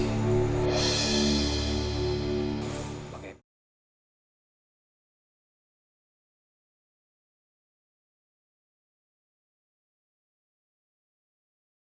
enam hari lagi bisa berubah udang